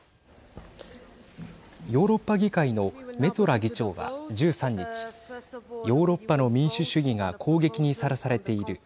ヨーロッパ議会のメツォラ議長は１３日、ヨーロッパの民主主義が攻撃にさらされている。